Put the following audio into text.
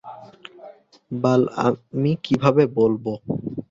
বাল আমি কীভাবে বলবো?